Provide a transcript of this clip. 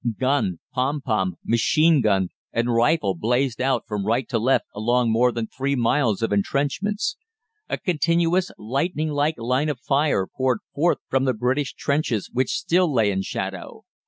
Gun, pom pom, machine gun, and rifle blazed out from right to left along more than three miles of entrenchments. A continuous lightning like line of fire poured forth from the British trenches, which still lay in shadow.